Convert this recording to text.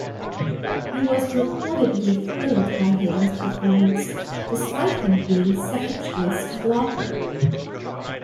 He was reportedly thrilled by Hayden's performance, despite him being second choice to Blocker.